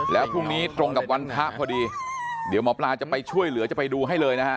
แล้วพรุ่งนี้ตรงกับวันพระพอดีเดี๋ยวหมอปลาจะไปช่วยเหลือจะไปดูให้เลยนะฮะ